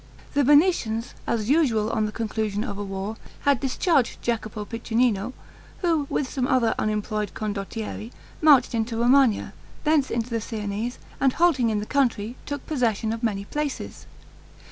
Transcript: The Venetians, as usual on the conclusion of a war, had discharged Jacopo Piccinino, who with some other unemployed condottieri, marched into Romagna, thence into the Siennese, and halting in the country, took possession of many places.